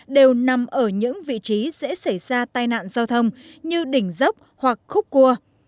đều nằm ở những vị trí dễ xảy ra tai nạn giao thông như đỉnh dốc hoặc khúc cua